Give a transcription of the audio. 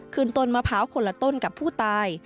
ต้นมะพร้าวคนละต้นกับผู้ตาย